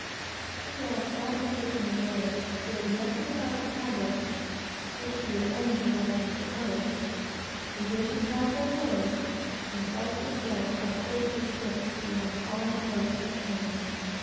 We lost all interest in the voyage; cared nothing about the cargo, which we were only collecting for others; began to patch our clothes; and felt as though we were fixed beyond all hope of change.